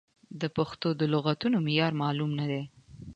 د پښتو د لغتونو معیار معلوم نه دی.